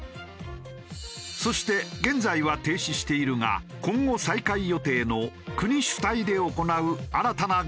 そして現在は停止しているが今後再開予定の国主体で行う新たなＧｏＴｏトラベル。